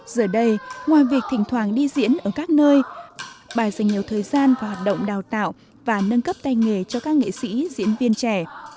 giờ đây ngoài việc thỉnh thoảng đi diễn ở các nơi bà dành nhiều thời gian và hoạt động đào tạo và nâng cấp tay nghề cho các nghệ sĩ diễn viên trẻ